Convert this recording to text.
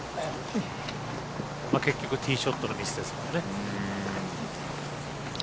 結局ティーショットのミスですもんね。